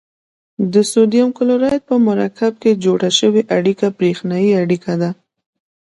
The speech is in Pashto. د سوډیم کلورایډ په مرکب کې جوړه شوې اړیکه بریښنايي اړیکه ده.